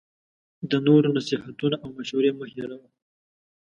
د نورو نصیحتونه او مشوری مه هیروه